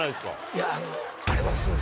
いやあの。